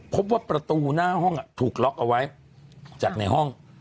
พบว่าประตูหน้าห้องถูกล็อกเอาไว้จากในห้อง